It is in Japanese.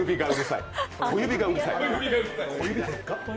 小指がうるさい。